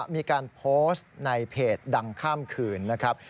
มีการโพสต์ในเพจดังข้ามคืนนะครับ